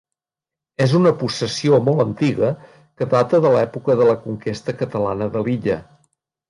És una possessió molt antiga que data de l'època de la conquesta catalana de l'illa.